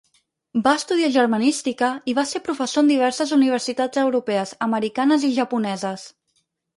Va estudiar germanística i va ser professor en diverses universitats europees, americanes i japoneses.